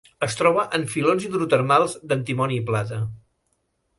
Es troba en filons hidrotermals d'antimoni i plata.